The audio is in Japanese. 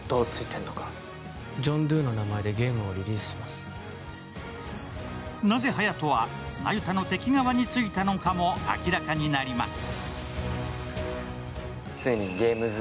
更になぜ隼人は那由他の敵側についたのかも明らかになります。